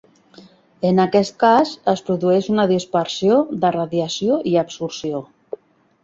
En aquest cas, es produeix una dispersió de radiació i absorció.